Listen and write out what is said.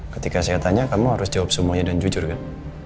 ketika saya tanya kamu harus jawab semuanya dan jujur kan